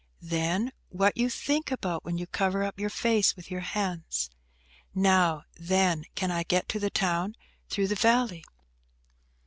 Then, what you think about when you cover up your face with your hands? Now, then, can I get to the town through the valley?"